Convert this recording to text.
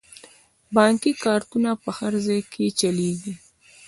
بانکي کارتونه په هر ځای کې چلیږي.